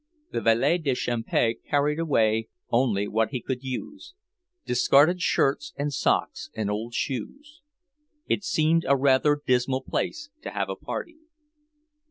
The valet de chambre carried away only what he could use; discarded shirts and socks and old shoes. It seemed a rather dismal place to have a party.